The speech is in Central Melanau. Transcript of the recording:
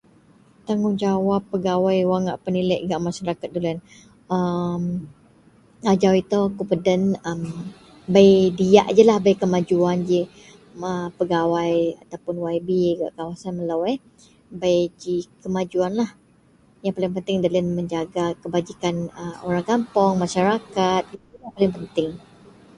Tanggungjawab pegawai wak ngak peniliek gak masyarat dolien a ajau ito akou peden .(am) bei diyak ji lah kemajuan pegawai atau YB gak kawasan melo..(yeh).. bei ji kemajuanlah yang paling penting menjaga kabajikan orang kampuong masyarakat iyen penting